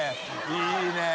いいねぇ。